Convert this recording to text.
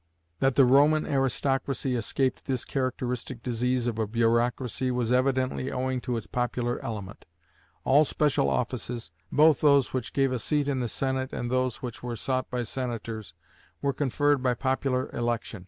That the Roman aristocracy escaped this characteristic disease of a bureaucracy was evidently owing to its popular element. All special offices, both those which gave a seat in the Senate and those which were sought by senators, were conferred by popular election.